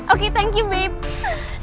oke terima kasih sayang